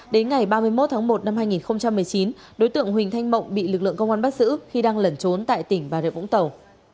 đến ngày ba mươi một tháng một năm hai nghìn một mươi chín đối tượng huỳnh thanh mộng bị lực lượng công an bắt giữ khi đang lẩn trốn tại tỉnh bà rịa vũng tàu